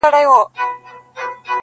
ما چي میوند، میوند نارې وهلې،